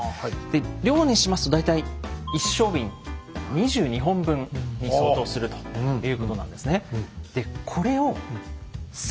で量にしますと大体１升瓶２２本分に相当するということなんですね。